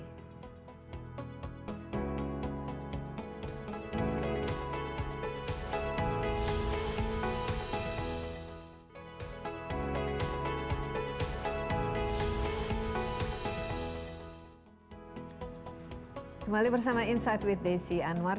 kembali bersama insight with desi anwar